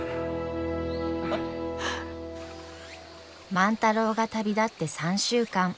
万太郎が旅立って３週間。